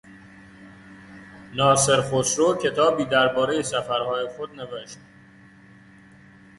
ناصر خسرو کتابی دربارهی سفرهای خود نوشت.